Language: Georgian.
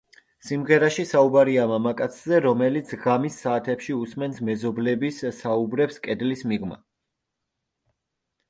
სიმღერაში საუბარია მამაკაცზე, რომელიც ღამის საათებში უსმენს მეზობლების საუბრებს კედლის მიღმა.